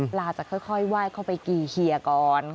ปลาจะค่อยไหว้เข้าไปกี่เฮียก่อน